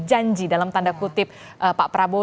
janji dalam tanda kutip pak prabowo